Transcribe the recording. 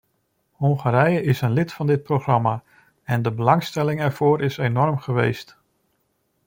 Hongarije is een lid van dit programma, en de belangstelling ervoor is enorm geweest.